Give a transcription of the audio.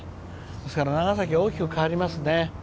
ですから、長崎は大きく変わりますね。